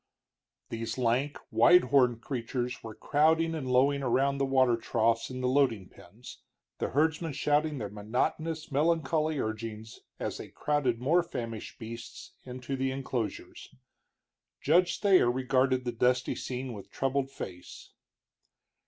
These lank, wide horned creatures were crowding and lowing around the water troughs in the loading pens, the herdsmen shouting their monotonous, melancholy urgings as they crowded more famished beasts into the enclosures. Judge Thayer regarded the dusty scene with troubled face.